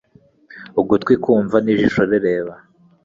Ugutwi kumva n’ijisho rireba